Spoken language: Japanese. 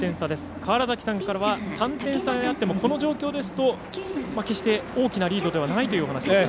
川原崎さんからは３点差であってもこの状況であれば決して大きなリードではないというお話でした。